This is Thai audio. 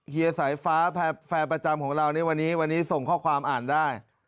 เฮียสายฟ้าแฟร์ประจำของเราในวันนี้วันนี้ส่งข้อความอ่านได้